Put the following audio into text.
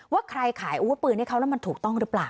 ว่าใครขายอาวุธปืนให้เขาแล้วมันถูกต้องหรือเปล่า